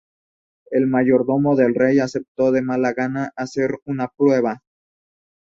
El mayordomo del rey aceptó de mala gana hacer una prueba.